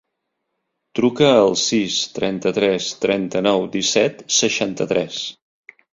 Truca al sis, trenta-tres, trenta-nou, disset, seixanta-tres.